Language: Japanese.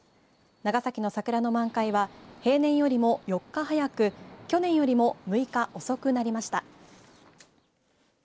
長崎の桜の満開は平年よりも４日早く去年よりも６日遅くなりました。